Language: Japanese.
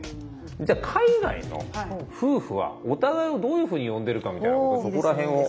じゃあ海外の夫婦はお互いをどういうふうに呼んでるかみたいなことそこら辺を。